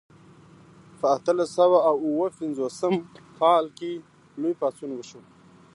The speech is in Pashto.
په اتلس سوه او اووه پنځوسم کال کې لوی پاڅون وشو.